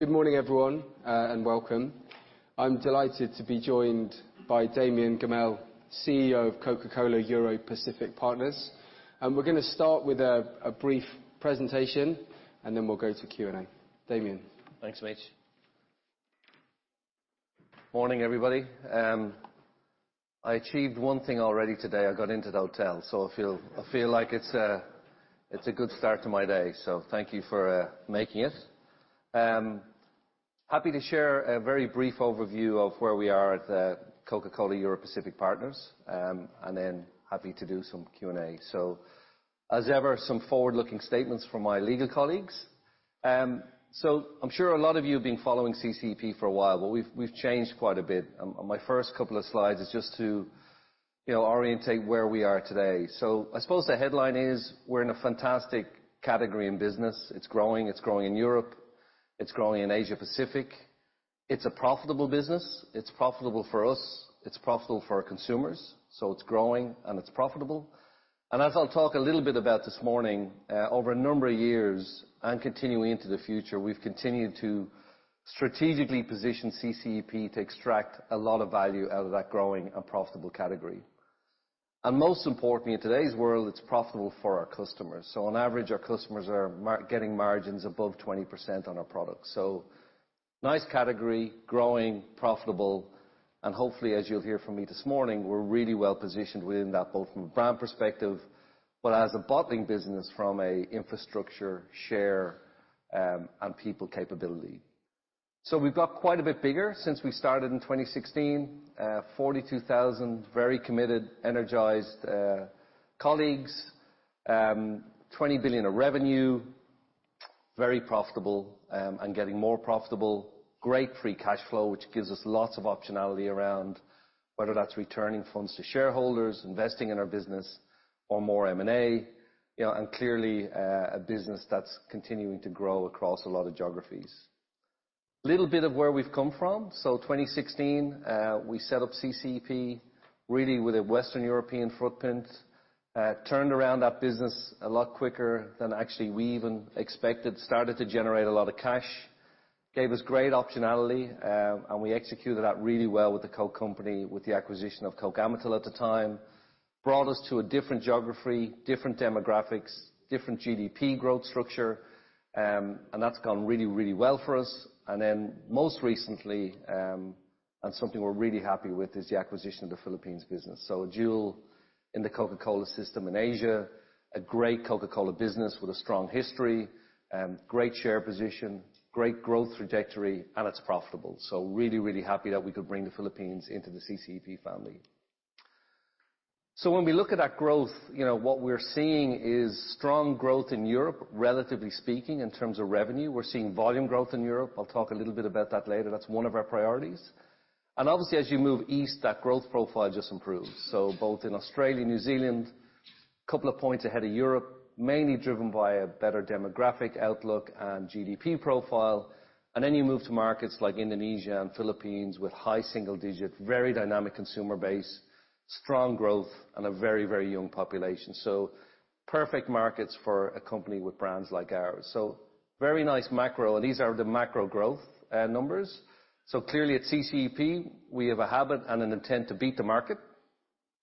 Good morning, everyone, and welcome. I'm delighted to be joined by Damian Gammell, CEO of Coca-Cola Europacific Partners, and we're gonna start with a brief presentation, and then we'll go to Q&A. Damian? Thanks, Mitch. Morning, everybody. I achieved one thing already today. I got into the hotel, so I feel like it's a good start to my day. So thank you for making it. Happy to share a very brief overview of where we are at Coca-Cola Europacific Partners, and then happy to do some Q&A. So as ever, some forward-looking statements from my legal colleagues. So I'm sure a lot of you have been following CCEP for a while, but we've changed quite a bit. On my first couple of slides is just to, you know, orientate where we are today. So I suppose the headline is, we're in a fantastic category in business. It's growing. It's growing in Europe. It's growing in Asia Pacific. It's a profitable business. It's profitable for us. It's profitable for our consumers, so it's growing, and it's profitable. And as I'll talk a little bit about this morning, over a number of years and continuing into the future, we've continued to strategically position CCEP to extract a lot of value out of that growing and profitable category. And most importantly, in today's world, it's profitable for our customers. So on average, our customers are making margins above 20% on our products. So nice category, growing, profitable, and hopefully, as you'll hear from me this morning, we're really well positioned within that, both from a brand perspective, but as a bottling business from a infrastructure share, and people capability. So we've got quite a bit bigger since we started in 2016. 42,000 very committed, energized colleagues, 20 billion of revenue, very profitable, and getting more profitable, great free cash flow, which gives us lots of optionality around whether that's returning funds to shareholders, investing in our business or more M&A, you know, and clearly a business that's continuing to grow across a lot of geographies. Little bit of where we've come from. So 2016, we set up CCEP, really with a Western European footprint, turned around that business a lot quicker than actually we even expected, started to generate a lot of cash, gave us great optionality, and we executed that really well with the Coke company, with the acquisition of Coca-Cola Amatil at the time. Brought us to a different geography, different demographics, different GDP growth structure, and that's gone really, really well for us. And then, most recently, and something we're really happy with, is the acquisition of the Philippines business. So a jewel in the Coca-Cola system in Asia, a great Coca-Cola business with a strong history, great share position, great growth trajectory, and it's profitable. So really, really happy that we could bring the Philippines into the CCEP family. So when we look at that growth, you know, what we're seeing is strong growth in Europe, relatively speaking, in terms of revenue. We're seeing volume growth in Europe. I'll talk a little bit about that later. That's one of our priorities. And obviously, as you move east, that growth profile just improves. So both in Australia, New Zealand, couple of points ahead of Europe, mainly driven by a better demographic outlook and GDP profile. Then you move to markets like Indonesia and Philippines with high single-digit, very dynamic consumer base, strong growth and a very, very young population. Perfect markets for a company with brands like ours. Very nice macro, and these are the macro growth numbers. Clearly, at CCEP, we have a habit and an intent to beat the market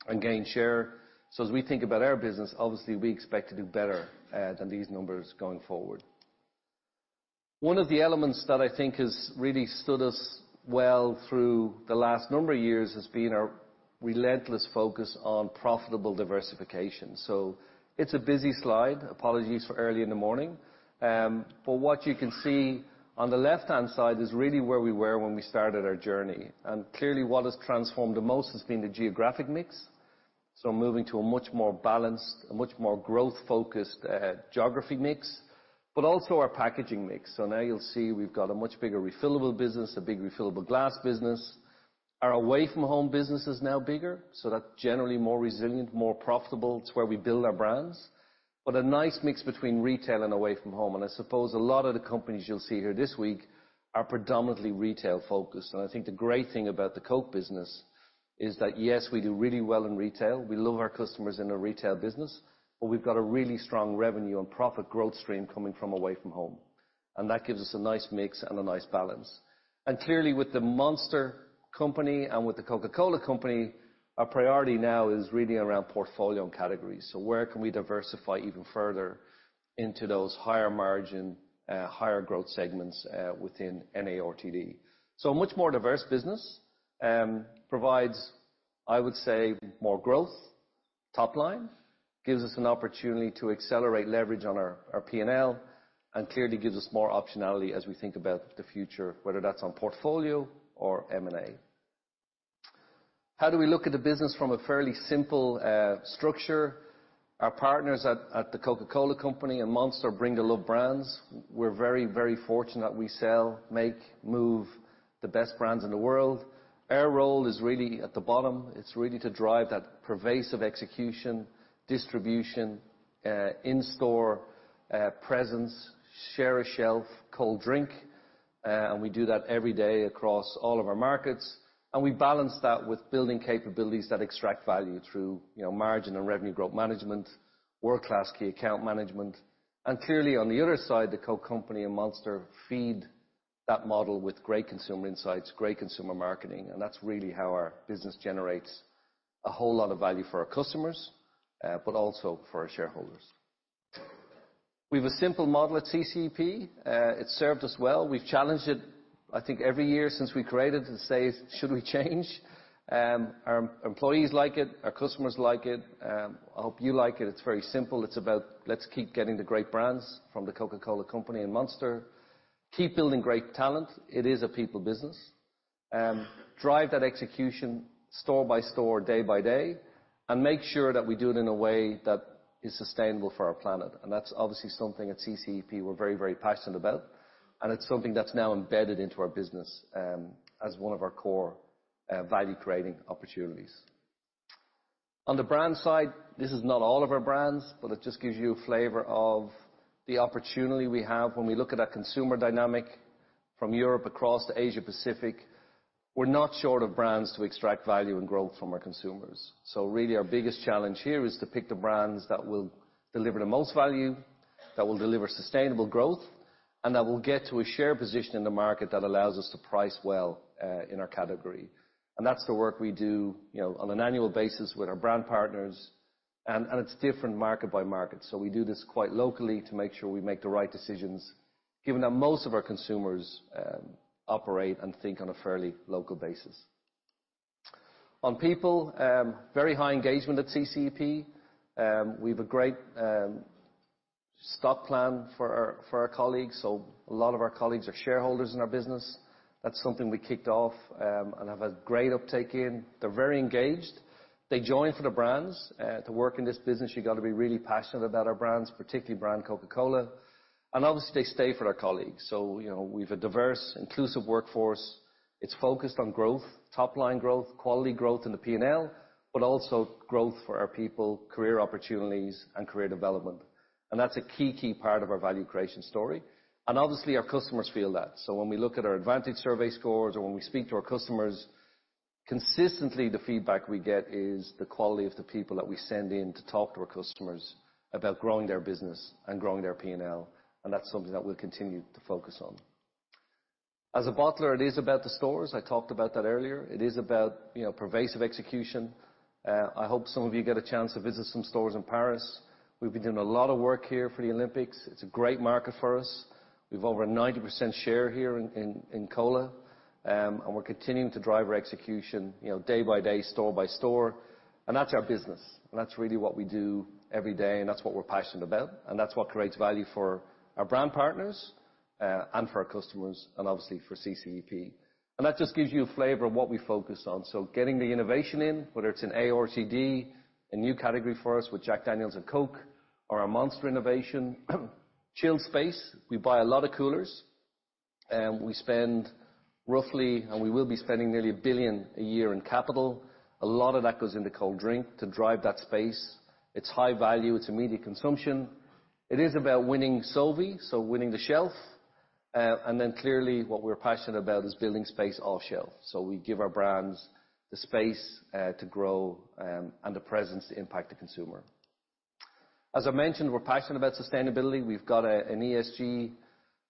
and gain share. As we think about our business, obviously, we expect to do better than these numbers going forward. One of the elements that I think has really stood us well through the last number of years has been our relentless focus on profitable diversification. It's a busy slide. Apologies for early in the morning. But what you can see on the left-hand side is really where we were when we started our journey, and clearly what has transformed the most has been the geographic mix. So moving to a much more balanced, a much more growth-focused, geography mix, but also our packaging mix. So now you'll see we've got a much bigger refillable business, a big refillable glass business. Our away-from-home business is now bigger, so that's generally more resilient, more profitable. It's where we build our brands, but a nice mix between retail and away from home. And I suppose a lot of the companies you'll see here this week are predominantly retail-focused. And I think the great thing about the Coke business is that, yes, we do really well in retail. We love our customers in the retail business, but we've got a really strong revenue and profit growth stream coming from away from home, and that gives us a nice mix and a nice balance. And clearly, with the Monster company and with The Coca-Cola Company, our priority now is really around portfolio and categories. So where can we diversify even further into those higher margin, higher growth segments within NARTD? So a much more diverse business provides, I would say, more growth. Top line gives us an opportunity to accelerate leverage on our P&L, and clearly gives us more optionality as we think about the future, whether that's on portfolio or M&A. How do we look at the business from a fairly simple structure? Our partners at The Coca-Cola Company and Monster bring the love brands. We're very, very fortunate that we sell, make, move the best brands in the world. Our role is really at the bottom. It's really to drive that pervasive execution, distribution, in-store presence, share of shelf, cold drink, and we do that every day across all of our markets, and we balance that with building capabilities that extract value through, you know, margin and revenue growth management, world-class key account management. Clearly, on the other side, the Coke company and Monster feed that model with great consumer insights, great consumer marketing, and that's really how our business generates a whole lot of value for our customers, but also for our shareholders. We have a simple model at CCEP. It's served us well. We've challenged it, I think, every year since we created it, to say, "Should we change?" Our employees like it, our customers like it, I hope you like it. It's very simple. It's about let's keep getting the great brands from the Coca-Cola Company and Monster, keep building great talent, it is a people business, drive that execution store by store, day by day, and make sure that we do it in a way that is sustainable for our planet, and that's obviously something at CCEP we're very, very passionate about, and it's something that's now embedded into our business, as one of our core value-creating opportunities. On the brand side, this is not all of our brands, but it just gives you a flavor of the opportunity we have when we look at our consumer dynamic from Europe across to Asia Pacific. We're not short of brands to extract value and growth from our consumers. So really our biggest challenge here is to pick the brands that will deliver the most value, that will deliver sustainable growth, and that will get to a share position in the market that allows us to price well in our category. And that's the work we do, you know, on an annual basis with our brand partners, and it's different market by market, so we do this quite locally to make sure we make the right decisions, given that most of our consumers operate and think on a fairly local basis. On people, very high engagement at CCEP. We've a great stock plan for our colleagues, so a lot of our colleagues are shareholders in our business. That's something we kicked off, and have had great uptake in. They're very engaged. They join for the brands. To work in this business, you've got to be really passionate about our brands, particularly brand Coca-Cola, and obviously, they stay for our colleagues, so you know, we've a diverse, inclusive workforce. It's focused on growth, top line growth, quality growth in the P&L, but also growth for our people, career opportunities, and career development, and that's a key, key part of our value creation story, and obviously, our customers feel that, so when we look at our Advantage survey scores, or when we speak to our customers, consistently, the feedback we get is the quality of the people that we send in to talk to our customers about growing their business and growing their P&L, and that's something that we'll continue to focus on. As a bottler, it is about the stores. I talked about that earlier. It is about, you know, pervasive execution. I hope some of you get a chance to visit some stores in Paris. We've been doing a lot of work here for the Olympics. It's a great market for us. We've over a 90% share here in cola, and we're continuing to drive our execution, you know, day by day, store by store, and that's our business, and that's really what we do every day, and that's what we're passionate about, and that's what creates value for our brand partners, and for our customers, and obviously, for CCEP, and that just gives you a flavor of what we focus on, so getting the innovation in, whether it's in ARTD, a new category for us with Jack Daniel's and Coke, or our Monster innovation. Chilled space. We buy a lot of coolers, and we spend roughly. And we will be spending nearly 1 billion a year in capital. A lot of that goes into cold drink to drive that space. It's high value, it's immediate consumption. It is about winning SOV, so winning the shelf, and then clearly what we're passionate about is building space off shelf. So we give our brands the space, to grow, and the presence to impact the consumer. As I mentioned, we're passionate about sustainability. We've got an ESG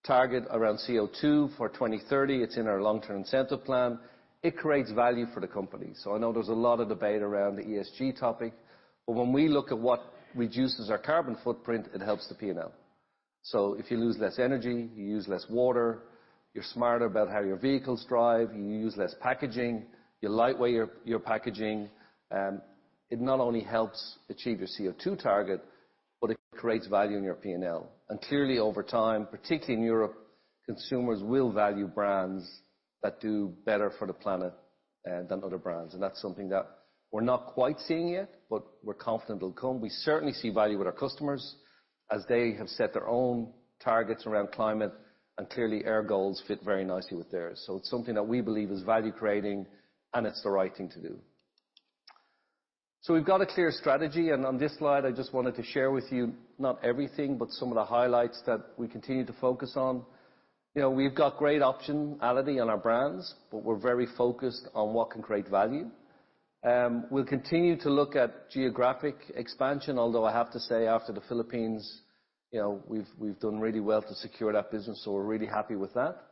target around CO2 for 2030. It's in our long-term incentive plan. It creates value for the company. So I know there's a lot of debate around the ESG topic, but when we look at what reduces our carbon footprint, it helps the P&L. So if you lose less energy, you use less water, you're smarter about how your vehicles drive, you use less packaging, you lightweight your packaging, it not only helps achieve your CO2 target, but it creates value in your P&L. And clearly, over time, particularly in Europe, consumers will value brands that do better for the planet than other brands, and that's something that we're not quite seeing yet, but we're confident it'll come. We certainly see value with our customers, as they have set their own targets around climate, and clearly, our goals fit very nicely with theirs. So it's something that we believe is value creating, and it's the right thing to do. So we've got a clear strategy, and on this slide, I just wanted to share with you, not everything, but some of the highlights that we continue to focus on. You know, we've got great optionality in our brands, but we're very focused on what can create value. We'll continue to look at geographic expansion, although I have to say, after the Philippines, you know, we've done really well to secure that business, so we're really happy with that.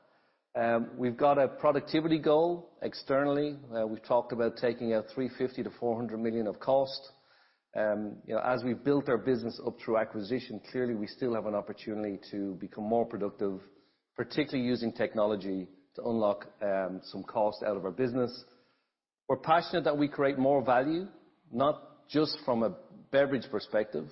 We've got a productivity goal externally. We've talked about taking out 350 million-400 million of cost. You know, as we've built our business up through acquisition, clearly, we still have an opportunity to become more productive, particularly using technology to unlock some cost out of our business. We're passionate that we create more value, not just from a beverage perspective,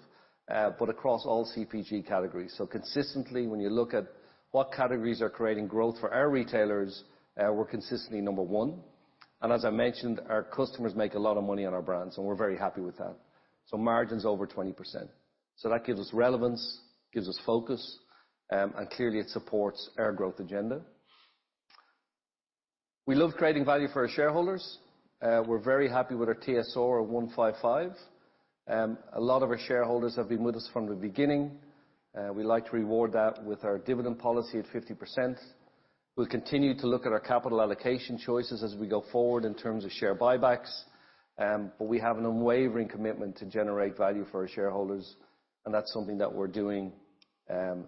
but across all CPG categories. So consistently, when you look at what categories are creating growth for our retailers, we're consistently number one, and as I mentioned, our customers make a lot of money on our brands, and we're very happy with that. So margins over 20%. So that gives us relevance, gives us focus, and clearly, it supports our growth agenda. We love creating value for our shareholders. We're very happy with our TSR of 155%. A lot of our shareholders have been with us from the beginning. We like to reward that with our dividend policy at 50%. We'll continue to look at our capital allocation choices as we go forward in terms of share buybacks. But we have an unwavering commitment to generate value for our shareholders, and that's something that we're doing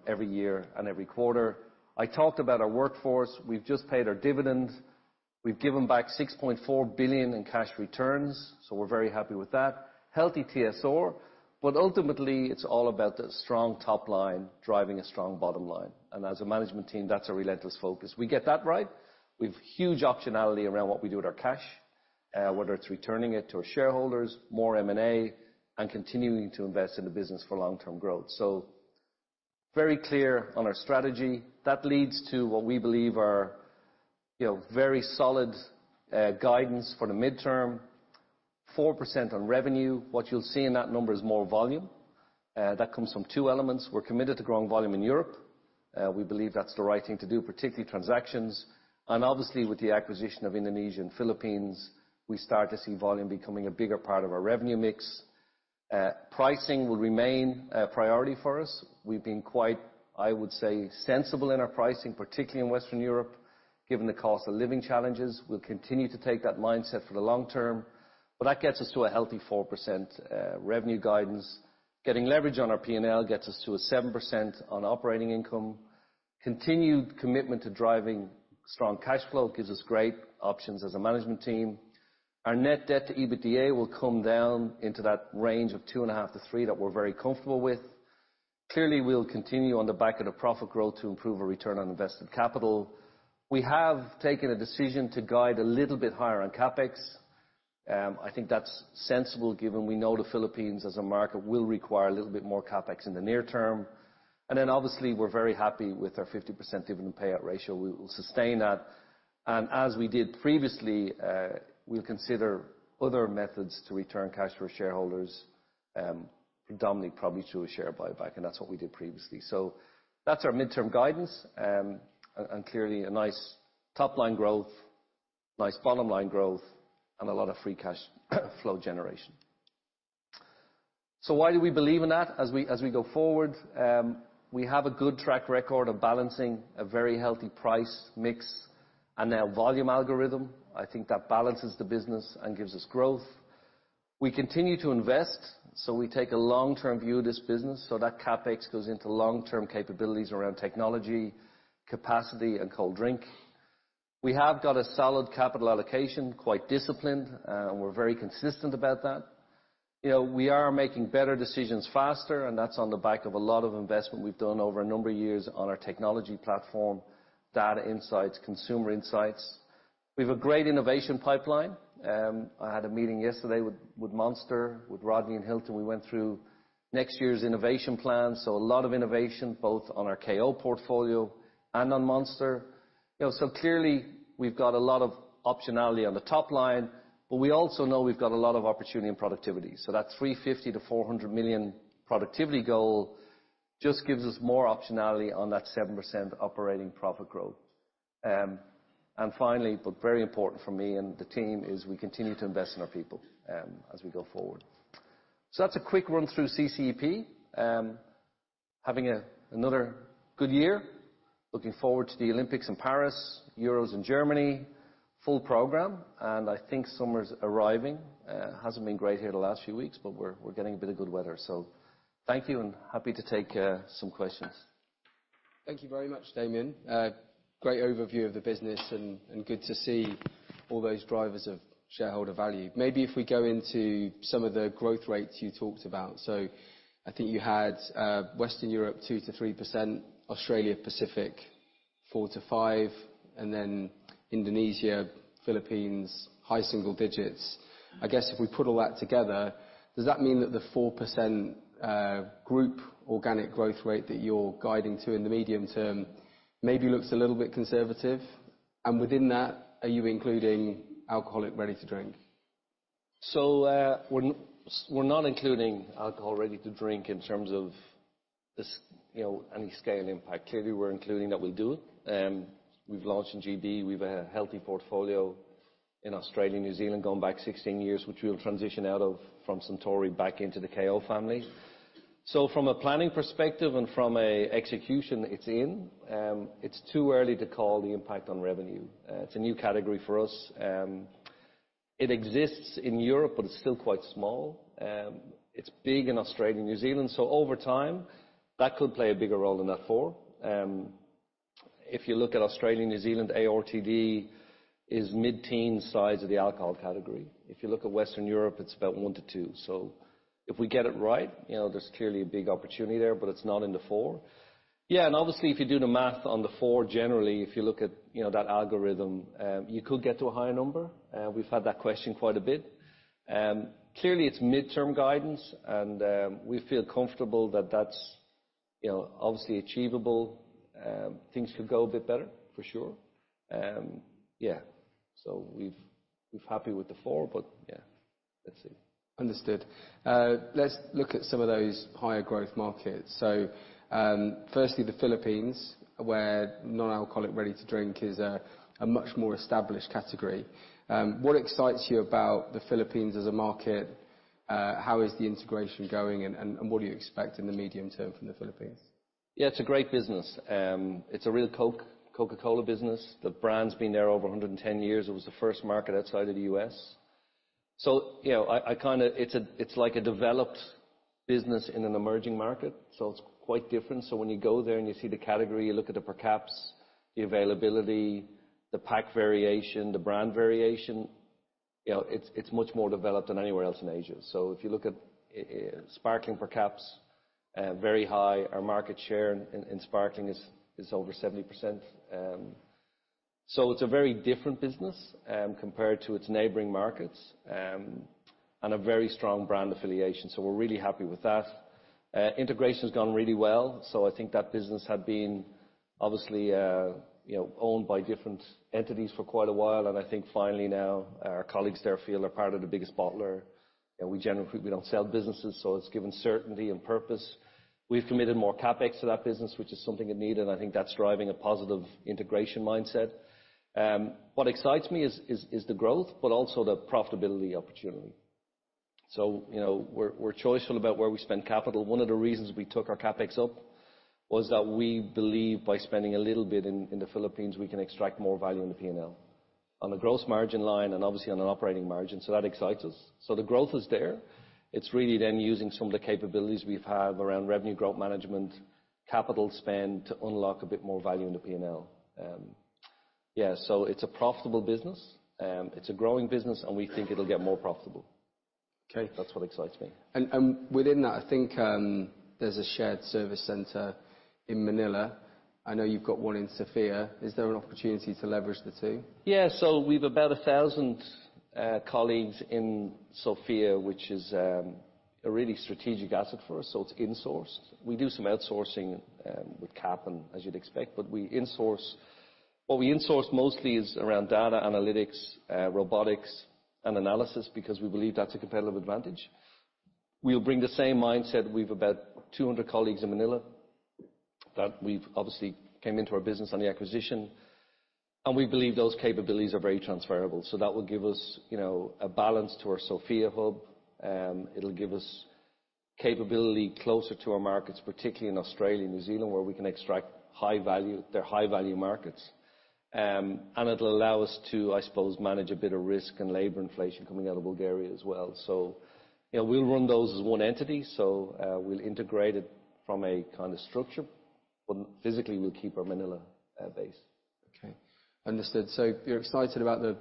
every year and every quarter. I talked about our workforce. We've just paid our dividend. We've given back 6.4 billion in cash returns, so we're very happy with that. Healthy TSR, but ultimately, it's all about the strong top line driving a strong bottom line, and as a management team, that's our relentless focus. We get that right, we've huge optionality around what we do with our cash, whether it's returning it to our shareholders, more M&A, and continuing to invest in the business for long-term growth, so very clear on our strategy. That leads to what we believe are, you know, very solid guidance for the midterm. 4% on revenue. What you'll see in that number is more volume. That comes from two elements. We're committed to growing volume in Europe. We believe that's the right thing to do, particularly transactions. And obviously, with the acquisition of Indonesia and Philippines, we start to see volume becoming a bigger part of our revenue mix. Pricing will remain a priority for us. We've been quite, I would say, sensible in our pricing, particularly in Western Europe, given the cost of living challenges. We'll continue to take that mindset for the long term, but that gets us to a healthy 4%, revenue guidance. Getting leverage on our P&L gets us to a 7% on operating income. Continued commitment to driving strong cash flow gives us great options as a management team. Our net debt to EBITDA will come down into that range of 2.5x-3.0x that we're very comfortable with. Clearly, we'll continue on the back of the profit growth to improve our return on invested capital. We have taken a decision to guide a little bit higher on CapEx. I think that's sensible, given we know the Philippines as a market will require a little bit more CapEx in the near term. And then, obviously, we're very happy with our 50% dividend payout ratio. We will sustain that. And as we did previously, we'll consider other methods to return cash to our shareholders, predominantly, probably through a share buyback, and that's what we did previously. So that's our midterm guidance, and clearly a nice top-line growth, nice bottom-line growth, and a lot of free cash flow generation. So why do we believe in that? As we go forward, we have a good track record of balancing a very healthy price mix and now volume algorithm. I think that balances the business and gives us growth. We continue to invest, so we take a long-term view of this business, so that CapEx goes into long-term capabilities around technology, capacity, and cold drink. We have got a solid capital allocation, quite disciplined, and we're very consistent about that. You know, we are making better decisions faster, and that's on the back of a lot of investment we've done over a number of years on our technology platform, data insights, consumer insights. We've a great innovation pipeline. I had a meeting yesterday with Monster, with Rodney and Hilton. We went through next year's innovation plan, so a lot of innovation, both on our KO portfolio and on Monster. You know, so clearly, we've got a lot of optionality on the top line, but we also know we've got a lot of opportunity and productivity. So that 350 million-400 million productivity goal just gives us more optionality on that 7% operating profit growth. And finally, but very important for me and the team, is we continue to invest in our people, as we go forward. So that's a quick run through CCEP. Having another good year. Looking forward to the Olympics in Paris, Euros in Germany, full program, and I think summer's arriving. Hasn't been great here the last few weeks, but we're getting a bit of good weather. So thank you, and happy to take some questions. Thank you very much, Damian. Great overview of the business, and good to see all those drivers of shareholder value. Maybe if we go into some of the growth rates you talked about. So I think you had Western Europe, 2%-3%, Australia, Pacific, 4%-5%, and then Indonesia, Philippines, high single digits. I guess if we put all that together, does that mean that the 4% group organic growth rate that you're guiding to in the medium term maybe looks a little bit conservative? And within that, are you including alcoholic ready-to-drink? We're not including alcohol ready-to-drink in terms of this. You know, any scale impact. Clearly, we're including that we'll do it. We've launched in G.B. We've a healthy portfolio in Australia, New Zealand, going back 16 years, which we'll transition out of from Suntory back into the KO family. From a planning perspective and from a execution, it's in. It's too early to call the impact on revenue. It's a new category for us. It exists in Europe, but it's still quite small. It's big in Australia and New Zealand, so over time, that could play a bigger role than that four. If you look at Australia, New Zealand, ARTD is mid-teen size of the alcohol category. If you look at Western Europe, it's about 1%-2%. So if we get it right, you know, there's clearly a big opportunity there, but it's not in the four. Yeah, and obviously, if you do the math on the four, generally, if you look at, you know, that algorithm, you could get to a higher number. We've had that question quite a bit. Clearly, it's midterm guidance, and we feel comfortable that that's, you know, obviously achievable. Things could go a bit better, for sure. Yeah. So we're happy with the four, but yeah, let's see. Understood. Let's look at some of those higher growth markets. Firstly, the Philippines, where non-alcoholic ready-to-drink is a much more established category. What excites you about the Philippines as a market? How is the integration going, and what do you expect in the medium term from the Philippines? Yeah, it's a great business. It's a real Coke, Coca-Cola business. The brand's been there over 110 years. It was the first market outside of the U.S. So, you know, I kinda. It's a, it's like a developed business in an emerging market, so it's quite different. So when you go there, and you see the category, you look at the per caps, the availability, the pack variation, the brand variation, you know, it's much more developed than anywhere else in Asia. So if you look at sparkling per caps, very high. Our market share in sparkling is over 70%. So it's a very different business compared to its neighboring markets and a very strong brand affiliation. So we're really happy with that. Integration's gone really well, so I think that business had been obviously, you know, owned by different entities for quite a while, and I think finally now, our colleagues there feel they're part of the biggest bottler. And we generally, we don't sell businesses, so it's given certainty and purpose. We've committed more CapEx to that business, which is something it needed, and I think that's driving a positive integration mindset. What excites me is the growth, but also the profitability opportunity. So, you know, we're choiceful about where we spend capital. One of the reasons we took our CapEx up was that we believe by spending a little bit in the Philippines, we can extract more value in the P&L. On the gross margin line, and obviously on an operating margin, so that excites us. So the growth is there. It's really then using some of the capabilities we've had around revenue growth management, capital spend, to unlock a bit more value in the P&L. Yeah, so it's a profitable business, it's a growing business, and we think it'll get more profitable. Okay. That's what excites me. Within that, I think, there's a shared service center in Manila. I know you've got one in Sofia. Is there an opportunity to leverage the two? Yeah, so we've about 1,000 colleagues in Sofia, which is a really strategic asset for us, so it's insourced. We do some outsourcing with Cap, and as you'd expect, but we insource. What we insource mostly is around data analytics, robotics and analysis, because we believe that's a competitive advantage. We'll bring the same mindset. We've about 200 colleagues in Manila, that we've obviously came into our business on the acquisition, and we believe those capabilities are very transferable. So that will give us, you know, a balance to our Sofia hub. It'll give us capability closer to our markets, particularly in Australia and New Zealand, where we can extract high value. They're high-value markets. It'll allow us to, I suppose, manage a bit of risk and labor inflation coming out of Bulgaria as well. So, you know, we'll run those as one entity, so, we'll integrate it from a kind of structure, but physically, we'll keep our Manila base. Okay, understood. So you're excited about the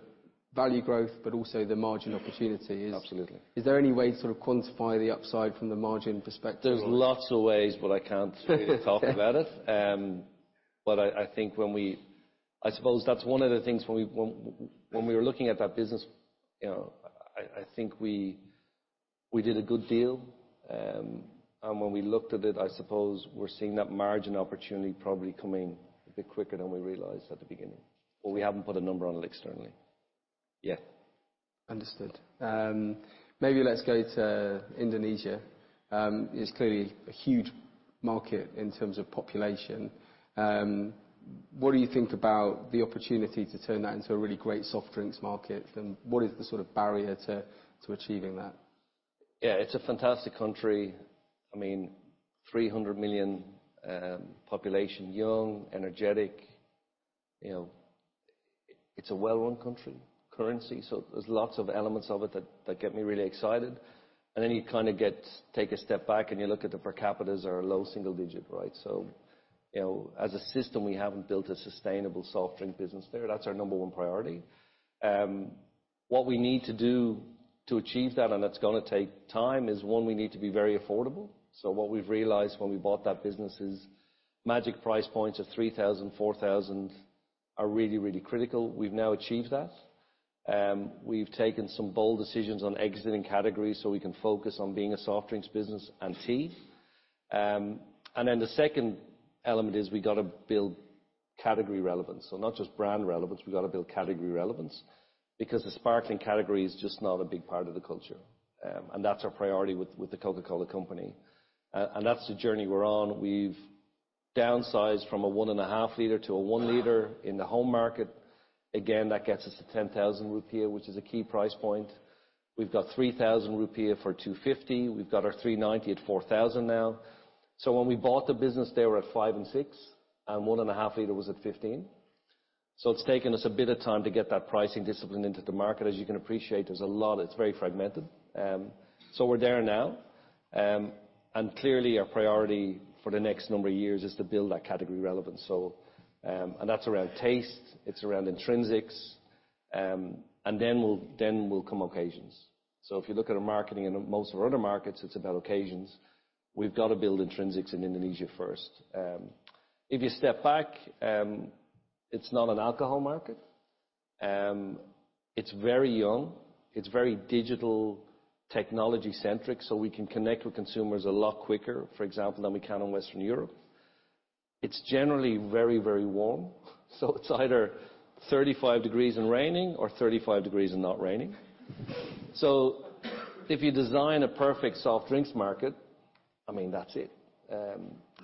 value growth, but also the margin opportunity. Absolutely. Is there any way to sort of quantify the upside from the margin perspective? There's lots of ways, but I can't really talk about it. But I think when we—I suppose that's one of the things, when we were looking at that business, you know, I think we did a good deal. And when we looked at it, I suppose we're seeing that margin opportunity probably coming a bit quicker than we realized at the beginning, but we haven't put a number on it externally. Yeah. Understood. Maybe let's go to Indonesia. It's clearly a huge market in terms of population. What do you think about the opportunity to turn that into a really great soft drinks market, and what is the sort of barrier to achieving that? Yeah, it's a fantastic country. I mean, 300 million population, young, energetic. You know, it's a well-run country, currency, so there's lots of elements of it that get me really excited. And then you kind of get, take a step back, and you look at the per capitas are low single digit, right? So, you know, as a system, we haven't built a sustainable soft drink business there. That's our number one priority. What we need to do to achieve that, and it's gonna take time, is, one, we need to be very affordable. So what we've realized when we bought that business is magic price points of 3,000, 4,000 are really, really critical. We've now achieved that. We've taken some bold decisions on exiting categories so we can focus on being a soft drinks business and tea. And then the second element is we've got to build category relevance. So not just brand relevance, we've got to build category relevance, because the sparkling category is just not a big part of the culture. And that's our priority with the Coca-Cola Company. And that's the journey we're on. We've downsized from a 1.5 L to a 1 L in the home market. Again, that gets us to 10,000 rupiah, which is a key price point. We've got 3,000 rupiah for 250. We've got our 390 at 4,000 now. So when we bought the business, they were at 5 and 6, and 1.5 L was at 15. So it's taken us a bit of time to get that pricing discipline into the market. As you can appreciate, there's a lot, it's very fragmented. So we're there now. And clearly, our priority for the next number of years is to build that category relevance. So, and that's around taste. It's around intrinsics, and then will come occasions. So if you look at our marketing in most of our other markets, it's about occasions. We've got to build intrinsics in Indonesia first. If you step back, it's not an alcohol market. It's very young, it's very digital, technology-centric, so we can connect with consumers a lot quicker, for example, than we can in Western Europe. It's generally very, very warm, so it's either 35 degrees Celsius and raining or 35 degrees Celsius and not raining. So if you design a perfect soft drinks market, I mean, that's it.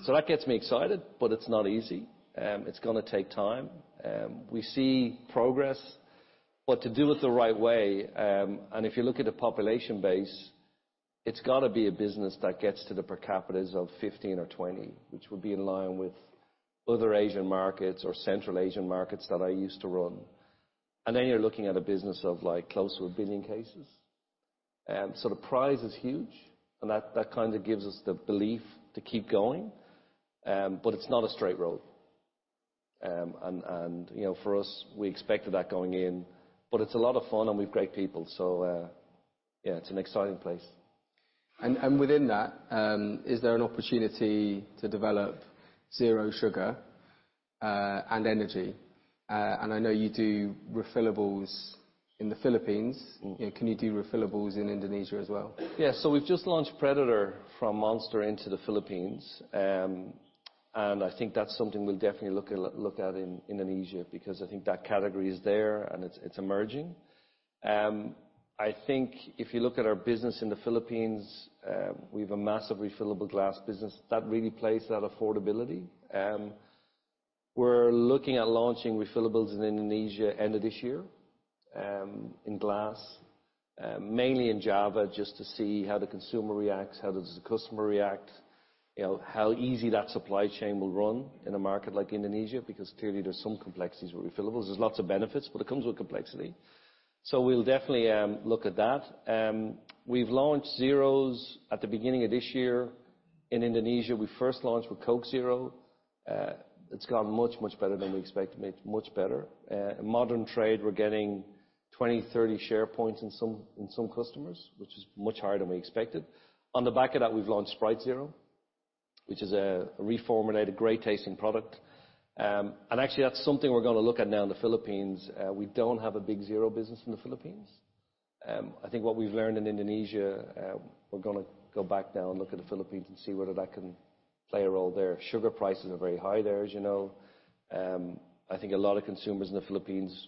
So that gets me excited, but it's not easy. It's gonna take time. We see progress, but to do it the right way, and if you look at the population base, it's gotta be a business that gets to the per capitas of 15 or 20, which would be in line with other Asian markets or Central Asian markets that I used to run, and then you're looking at a business of, like, close to a billion cases, so the prize is huge, and that kind of gives us the belief to keep going, but it's not a straight road, and, you know, for us, we expected that going in, but it's a lot of fun, and we've great people, so yeah, it's an exciting place. And within that, is there an opportunity to develop zero sugar and energy? And I know you do refillables in the Philippines. Mm-hmm. Can you do refillables in Indonesia as well? Yeah. So we've just launched Predator from Monster into the Philippines. And I think that's something we'll definitely look at in Indonesia, because I think that category is there, and it's emerging. I think if you look at our business in the Philippines, we've a massive refillable glass business. That really plays to that affordability. We're looking at launching refillables in Indonesia end of this year, in glass, mainly in Java, just to see how the consumer reacts, how does the customer react, you know, how easy that supply chain will run in a market like Indonesia, because clearly, there's some complexities with refillables. There's lots of benefits, but it comes with complexity. So we'll definitely look at that. We've launched Zeros at the beginning of this year in Indonesia. We first launched with Coke Zero. It's gone much, much better than we expected. Much better. In modern trade, we're getting 20-30 share points in some customers, which is much higher than we expected. On the back of that, we've launched Sprite Zero, which is a reformulated, great-tasting product. And actually, that's something we're gonna look at now in the Philippines. We don't have a big Zero business in the Philippines. I think what we've learned in Indonesia, we're gonna go back now and look at the Philippines and see whether that can play a role there. Sugar prices are very high there, as you know. I think a lot of consumers in the Philippines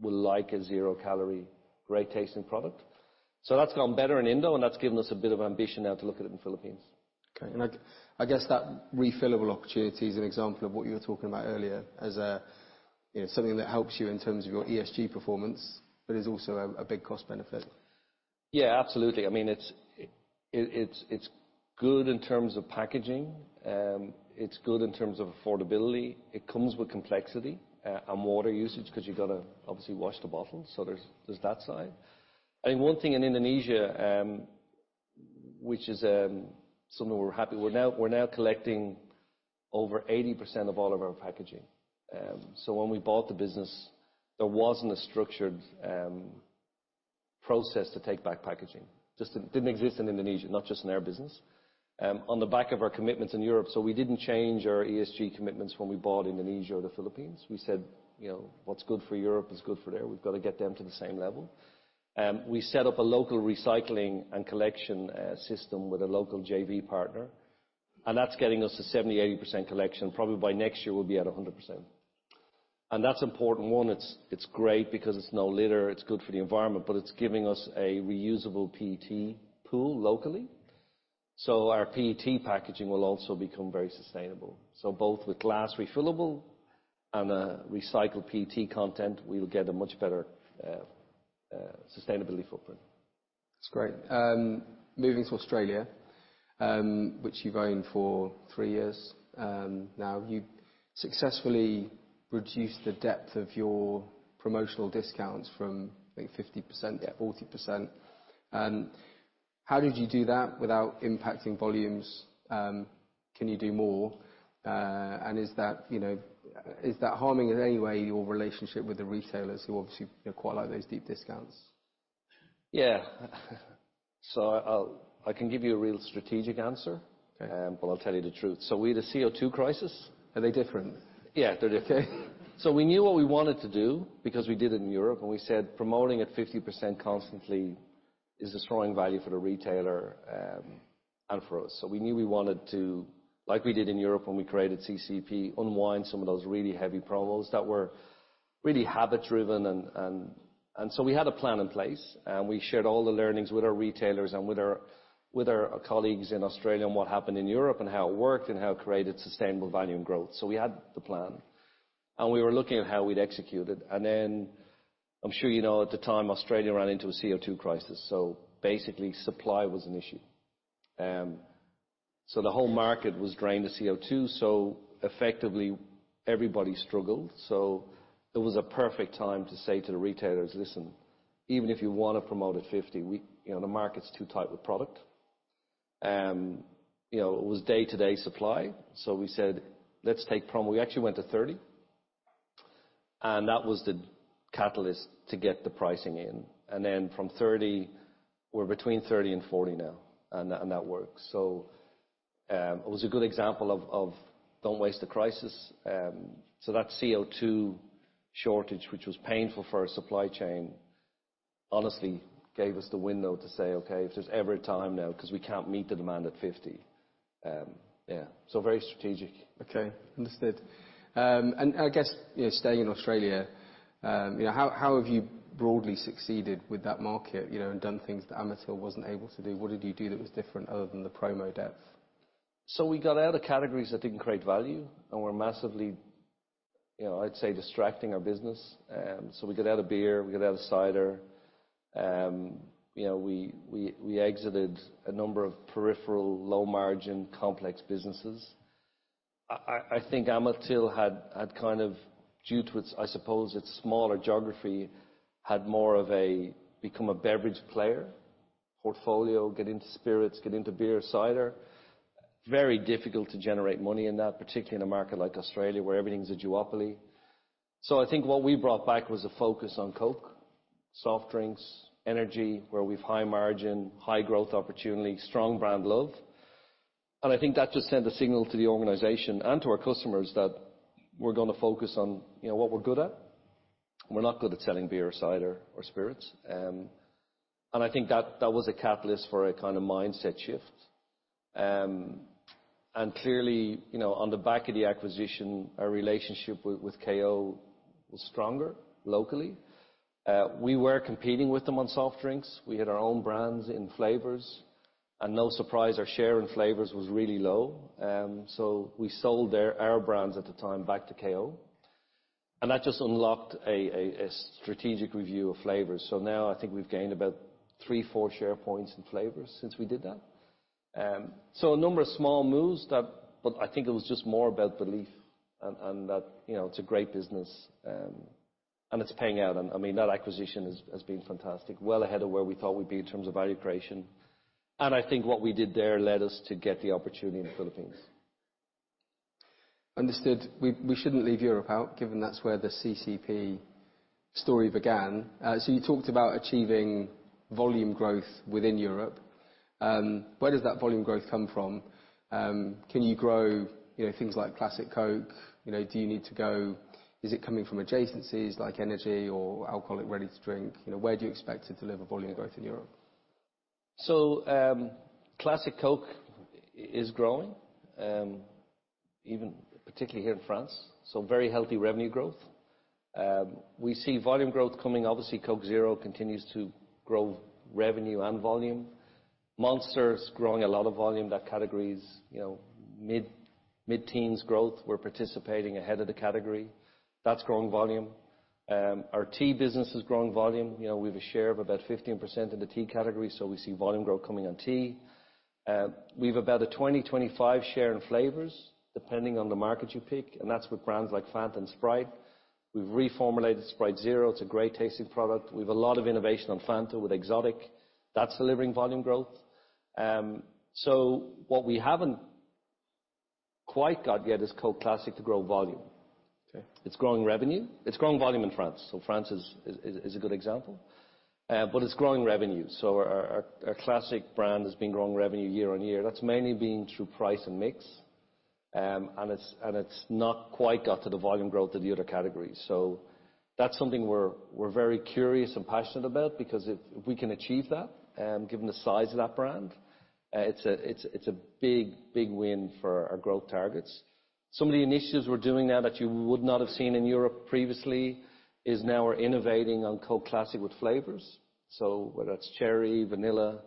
will like a zero-calorie, great-tasting product. So that's gone better in Indo, and that's given us a bit of ambition now to look at it in Philippines. Okay. And I guess that refillable opportunity is an example of what you were talking about earlier, as you know, something that helps you in terms of your ESG performance, but is also a big cost benefit. Yeah, absolutely. I mean, it's good in terms of packaging. It's good in terms of affordability. It comes with complexity and water usage, 'cause you've got to obviously wash the bottle, so there's that side. I mean, one thing in Indonesia, which is something we're happy. We're now collecting over 80% of all of our packaging. So when we bought the business, there wasn't a structured process to take back packaging. Just didn't exist in Indonesia, not just in our business. On the back of our commitments in Europe, so we didn't change our ESG commitments when we bought Indonesia or the Philippines. We said, you know, "What's good for Europe is good for there. We've got to get them to the same level." We set up a local recycling and collection system with a local JV partner, and that's getting us to 70%-80% collection. Probably by next year, we'll be at 100%. And that's important. One, it's great because it's no litter. It's good for the environment, but it's giving us a reusable PET pool locally, so our PET packaging will also become very sustainable. So both with glass refillable and a recycled PET content, we'll get a much better sustainability footprint. That's great. Moving to Australia, which you've owned for three years, now. You successfully reduced the depth of your promotional discounts from, I think, 50%... Yeah, 40%. And how did you do that without impacting volumes? Can you do more? And is that, you know, is that harming in any way your relationship with the retailers, who obviously, quite like those deep discounts? Yeah. So I can give you a real strategic answer. Okay. But I'll tell you the truth. So we had a CO2 crisis. Are they different? Yeah, they're different. Okay. So we knew what we wanted to do because we did it in Europe, and we said, "Promoting at 50% constantly is destroying value for the retailer, and for us." So we knew we wanted to, like we did in Europe, when we created CCEP, unwind some of those really heavy promos that were really habit-driven. And so we had a plan in place, and we shared all the learnings with our retailers and with our colleagues in Australia on what happened in Europe and how it worked and how it created sustainable value and growth. So we had the plan, and we were looking at how we'd execute it. And then, I'm sure you know, at the time, Australia ran into a CO2 crisis, so basically, supply was an issue. So the whole market was drained of CO2, so effectively, everybody struggled. So it was a perfect time to say to the retailers: "Listen, even if you want to promote at 50%, we... You know, the market's too tight with product." You know, it was day-to-day supply, so we said, "Let's take promo..." We actually went to 30%, and that was the catalyst to get the pricing in. And then from 30%, we're between 30% and 40% now, and that works. So it was a good example of don't waste a crisis. So that CO2 shortage, which was painful for our supply chain, honestly gave us the window to say, "Okay, if there's ever a time now, 'cause we can't meet the demand at 50%." Yeah, so very strategic. Okay, understood, and I guess, you know, staying in Australia. You know, how have you broadly succeeded with that market, you know, and done things that Amatil wasn't able to do? What did you do that was different other than the promo depth? So we got out of categories that didn't create value and were massively, you know, I'd say, distracting our business. So we got out of beer, we got out of cider. You know, we exited a number of peripheral, low-margin, complex businesses. I think Amatil had kind of, due to its, I suppose, its smaller geography, had more of a become a beverage player, portfolio, get into spirits, get into beer, cider. Very difficult to generate money in that, particularly in a market like Australia, where everything's a duopoly. So I think what we brought back was a focus on Coke, soft drinks, energy, where we've high margin, high growth opportunity, strong brand love. And I think that just sent a signal to the organization and to our customers that we're gonna focus on, you know, what we're good at. We're not good at selling beer or cider or spirits. And I think that was a catalyst for a kind of mindset shift. And clearly, you know, on the back of the acquisition, our relationship with KO was stronger locally. We were competing with them on soft drinks. We had our own brands in flavors, and no surprise, our share in flavors was really low. So we sold our brands at the time back to KO, and that just unlocked a strategic review of flavors. So now I think we've gained about three, four share points in flavors since we did that. So a number of small moves that. But I think it was just more about belief and that, you know, it's a great business, and it's paying out. I mean, that acquisition has been fantastic, well ahead of where we thought we'd be in terms of value creation. I think what we did there led us to get the opportunity in the Philippines. Understood. We shouldn't leave Europe out, given that's where the CCEP story began. So you talked about achieving volume growth within Europe. Where does that volume growth come from? Can you grow, you know, things like Classic Coke? You know, do you need to go... Is it coming from adjacencies like energy or alcoholic ready-to-drink? You know, where do you expect to deliver volume growth in Europe? So, Classic Coke is growing, even particularly here in France, so very healthy revenue growth. We see volume growth coming. Obviously, Coke Zero continues to grow revenue and volume. Monster's growing a lot of volume. That category is, you know, mid-teens growth. We're participating ahead of the category. That's growing volume. Our tea business is growing volume. You know, we have a share of about 15% in the tea category, so we see volume growth coming on tea. We've about a 20%-25% share in flavors, depending on the market you pick, and that's with brands like Fanta and Sprite. We've reformulated Sprite Zero. It's a great-tasting product. We've a lot of innovation on Fanta with Exotic. That's delivering volume growth. So what we haven't quite got yet is Coke Classic to grow volume. Okay. It's growing revenue. It's growing volume in France, so France is a good example, but it's growing revenue. So our Classic brand has been growing revenue year on year. That's mainly been through price and mix, and it's not quite got to the volume growth of the other categories. So that's something we're very curious and passionate about, because if we can achieve that, given the size of that brand, it's a big win for our growth targets. Some of the initiatives we're doing now that you would not have seen in Europe previously is now we're innovating on Coke Classic with flavors, so whether that's cherry, vanilla.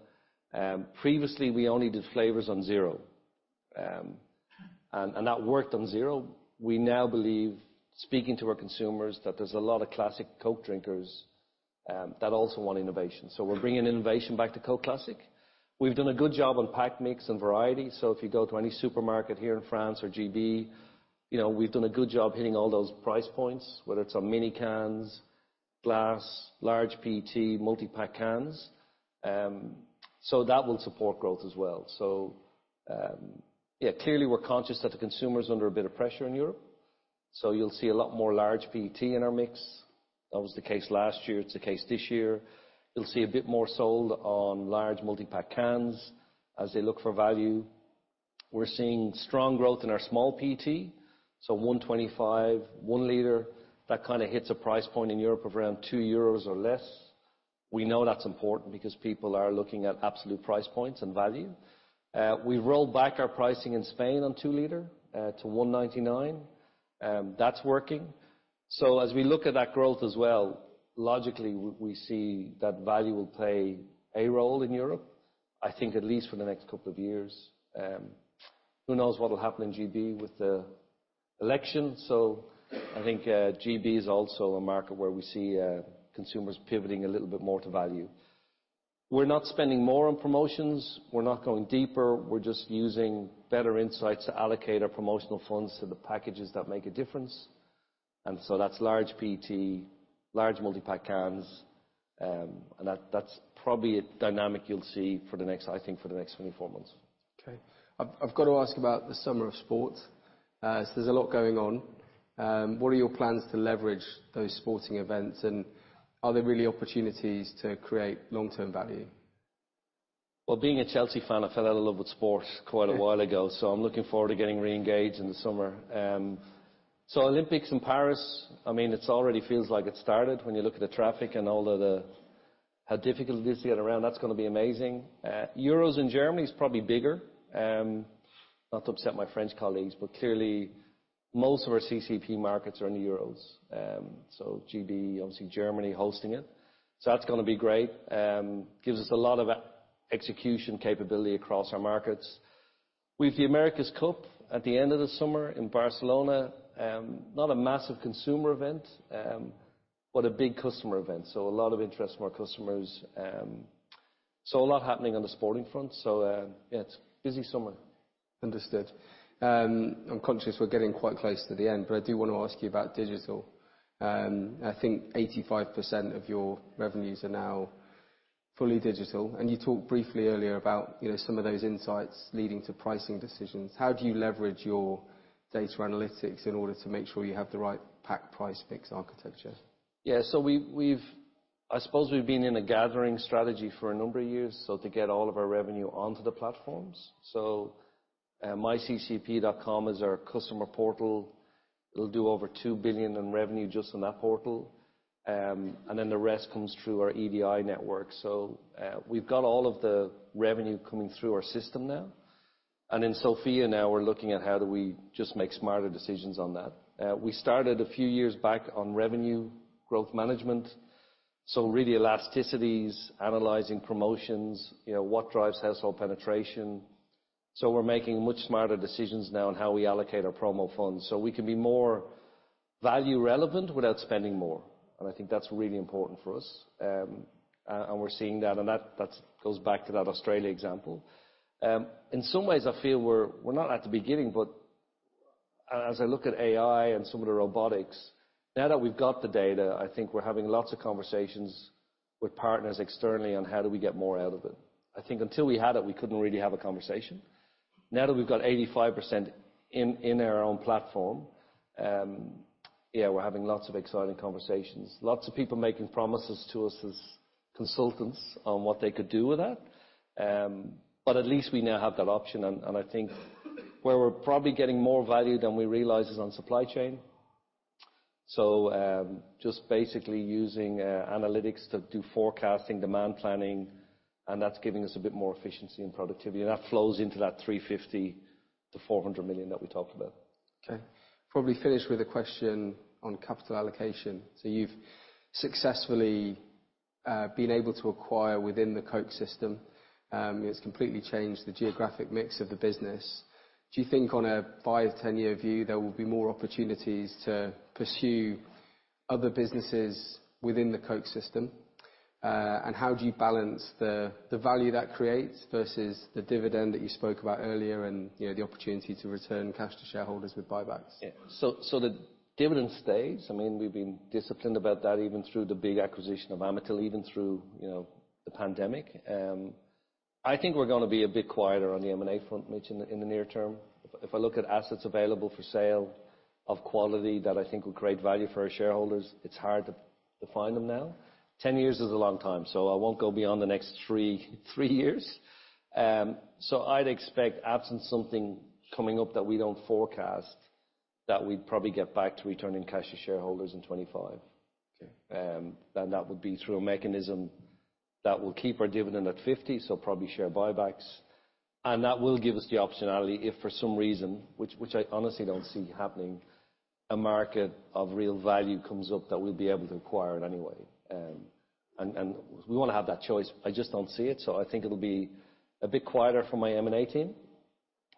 Previously, we only did flavors on Zero, and that worked on Zero. We now believe, speaking to our consumers, that there's a lot of Classic Coke drinkers that also want innovation, so we're bringing innovation back to Coke Classic. We've done a good job on pack mix and variety, so if you go to any supermarket here in France or G.B., you know, we've done a good job hitting all those price points, whether it's on mini cans, glass, large PET, multi-pack cans. So that will support growth as well. So, yeah, clearly, we're conscious that the consumer's under a bit of pressure in Europe, so you'll see a lot more large PET in our mix. That was the case last year. It's the case this year. You'll see a bit more sold on large multi-pack cans as they look for value. We're seeing strong growth in our small PET, so 1.25, 1-L, that kind of hits a price point in Europe of around 2 euros or less. We know that's important because people are looking at absolute price points and value. We rolled back our pricing in Spain on 2-L to 1.99, that's working. So as we look at that growth as well, logically, we see that value will play a role in Europe, I think at least for the next couple of years. Who knows what will happen in G.B. with the election? So I think G.B. is also a market where we see consumers pivoting a little bit more to value. We're not spending more on promotions. We're not going deeper. We're just using better insights to allocate our promotional funds to the packages that make a difference, and so that's large PET, large multi-pack cans, and that's probably a dynamic you'll see, I think, for the next 24 months. Okay. I've got to ask about the summer of sport, so there's a lot going on. What are your plans to leverage those sporting events, and are there really opportunities to create long-term value? Being a Chelsea fan, I fell out of love with sports quite a while ago, so I'm looking forward to getting re-engaged in the summer. Olympics in Paris, I mean, it already feels like it's started when you look at the traffic and all of the, how difficult it is to get around, that's gonna be amazing. Euros in Germany is probably bigger. Not to upset my French colleagues, but clearly, most of our CCEP markets are in euros. G.B., obviously Germany hosting it. That's gonna be great. Gives us a lot of execution capability across our markets. We've the America's Cup at the end of the summer in Barcelona. Not a massive consumer event, but a big customer event, so a lot of interest from our customers. So, a lot happening on the sporting front. So, yeah, it's busy summer. Understood. I'm conscious we're getting quite close to the end, but I do wanna ask you about digital. I think 85% of your revenues are now fully digital, and you talked briefly earlier about, you know, some of those insights leading to pricing decisions. How do you leverage your data analytics in order to make sure you have the right pack price mix architecture? Yeah, so we've been in a gathering strategy for a number of years, so to get all of our revenue onto the platforms. MyCCEP.com is our customer portal. It'll do over two billion in revenue just on that portal. And then the rest comes through our EDI network. We've got all of the revenue coming through our system now, and in Sofia now, we're looking at how do we just make smarter decisions on that. We started a few years back on revenue growth management, so really elasticities, analyzing promotions, you know, what drives household penetration? We're making much smarter decisions now on how we allocate our promo funds, so we can be more value relevant without spending more, and I think that's really important for us. And we're seeing that, and that goes back to that Australia example. In some ways, I feel we're not at the beginning, but as I look at AI and some of the robotics, now that we've got the data, I think we're having lots of conversations with partners externally on how do we get more out of it. I think until we had it, we couldn't really have a conversation. Now that we've got 85% in our own platform, yeah, we're having lots of exciting conversations. Lots of people making promises to us as consultants on what they could do with that. But at least we now have that option, and I think where we're probably getting more value than we realize is on supply chain. Just basically using analytics to do forecasting, demand planning, and that's giving us a bit more efficiency and productivity, and that flows into that 350 million-400 million that we talked about. Okay. Probably finish with a question on capital allocation. So you've successfully been able to acquire within the Coke system. It's completely changed the geographic mix of the business. Do you think on a five, 10-year view, there will be more opportunities to pursue other businesses within the Coke system? And how do you balance the value that creates versus the dividend that you spoke about earlier and, you know, the opportunity to return cash to shareholders with buybacks? Yeah. So the dividend stays. I mean, we've been disciplined about that, even through the big acquisition of Amatil, even through, you know, the pandemic. I think we're gonna be a bit quieter on the M&A front, Mitch, in the near term. If I look at assets available for sale of quality that I think will create value for our shareholders, it's hard to find them now. Ten years is a long time, so I won't go beyond the next three years. So I'd expect, absent something coming up that we don't forecast, that we'd probably get back to returning cash to shareholders in 2025. Okay. And that would be through a mechanism that will keep our dividend at 50%, so probably share buybacks. And that will give us the optionality, if for some reason, which I honestly don't see happening, a market of real value comes up that we'll be able to acquire in any way. And we wanna have that choice. I just don't see it, so I think it'll be a bit quieter for my M&A team.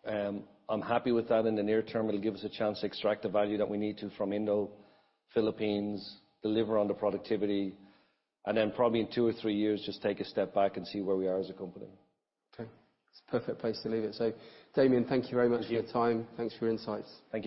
I'm happy with that in the near term. It'll give us a chance to extract the value that we need to from Indo, Philippines, deliver on the productivity, and then probably in two or three years, just take a step back and see where we are as a company. Okay. It's a perfect place to leave it. So, Damian, thank you very much for your time. Thank you. Thanks for your insights. Thank you.